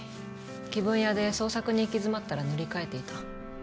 気分屋で創作に行き詰まったら塗り替えていた。